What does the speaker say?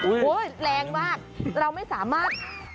โอ้โหแรงมากเราไม่สามารถ